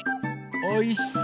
おいしい！